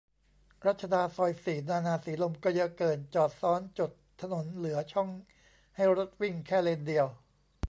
รัชดาซอยสี่ นานา สีลม ก็เยอะเกิน จอดซ้อนจดถนนเหลือช่องให้รถวิ่งแค่เลนเดียว